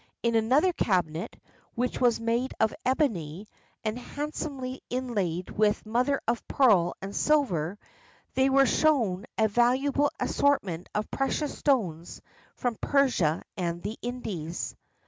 In another cabinet, which was made of ebony, and handsomely inlaid with mother of pearl and silver, they were shown a valuable assortment of precious stones from Persia and the Indies.